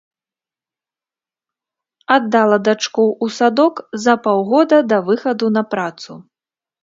Аддала дачку ў садок за паўгода да выхаду на працу.